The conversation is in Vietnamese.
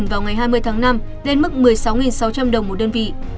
công tăng trần vào ngày hai mươi tháng năm lên mức một mươi sáu sáu trăm linh đồng một đơn vị